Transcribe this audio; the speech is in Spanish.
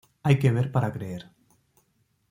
Hay que ver para creer